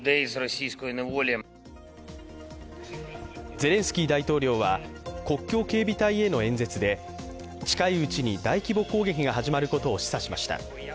ゼレンスキー大統領は、国境警備隊への演説で近いうちに大規模攻撃が始まることを示唆しました。